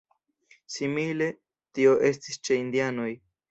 Simile tio estis ĉe indianoj.